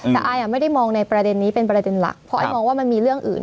แต่ไอไม่ได้มองในประเด็นนี้เป็นประเด็นหลักเพราะไอมองว่ามันมีเรื่องอื่น